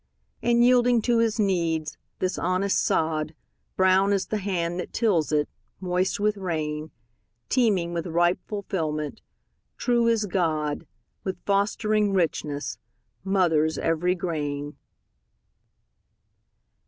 And yielding to his needs, this honest sod, Brown as the hand that tills it, moist with rain, Teeming with ripe fulfilment, true as God, With fostering richness, mothers every grain.